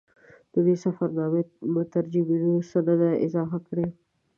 د ده د سفرنامې مترجمینو څه نه دي اضافه کړي.